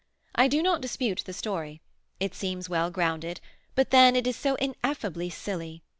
I do not dispute the story. It seems well grounded, but then it is so ineffably silly!